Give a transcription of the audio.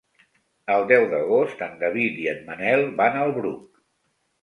El deu d'agost en David i en Manel van al Bruc.